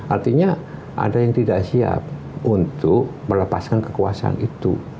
artinya ada yang tidak siap untuk melepaskan kekuasaan itu